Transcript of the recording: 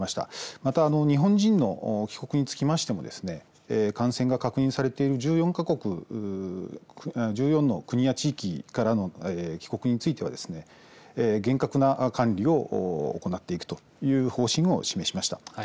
また、日本人の帰国につきましても感染が確認されている１４か国１４の国や地域からの帰国についてはですね厳格な管理を行っていくという方針を示しました。